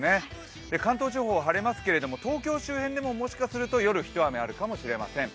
関東地方は晴れますけれども、東京周辺ではもしかすると、夜、一雨あるかもしれません。